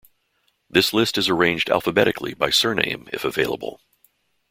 This list is arranged alphabetically by surname if available.